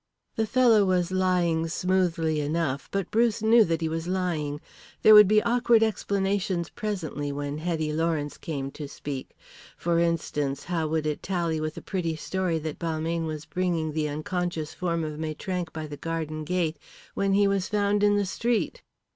The fellow was lying smoothly enough, but Bruce knew that he was lying. There would be awkward explanations presently, when Hetty Lawrence came to speak; for instance, how would it tally with the pretty story that Balmayne was bringing the unconscious form of Maitrank by the garden gate when he was found in the street?